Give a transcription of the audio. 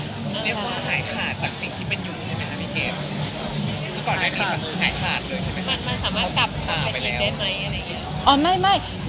เรียกว่าหายขาดจากสิ่งที่มันอยู่ใช่มั้ยค่ะนี่เกบ